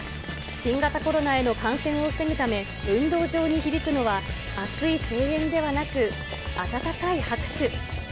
新型コロナへの感染を防ぐため、運動場に響くのは、熱い声援ではなく、温かい拍手。